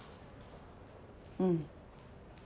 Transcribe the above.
うん。